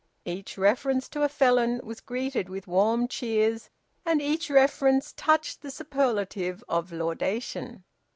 Each reference to a Felon was greeted with warm cheers, and each reference touched the superlative of laudation.